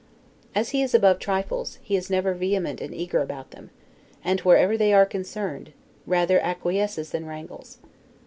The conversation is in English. As he is above trifles, he is never vehement and eager about them; and, wherever they are concerned, rather acquiesces than wrangles.